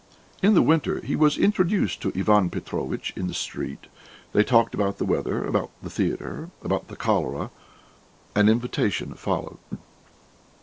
In the winter he was introduced to Ivan Petrovitch in the street; they talked about the weather, about the theatre, about the cholera; an invitation followed.